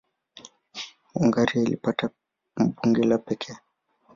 Hungaria ilipata bunge lake la pekee.